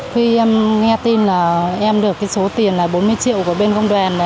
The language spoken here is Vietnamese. khi em nghe tin là em được cái số tiền là bốn mươi triệu của bên công đoàn